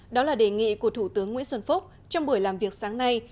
đó là đề nghị của thủ tướng nguyễn xuân phúc trong buổi làm việc sáng nay